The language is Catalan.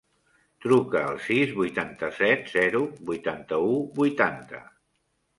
Truca al sis, vuitanta-set, zero, vuitanta-u, vuitanta.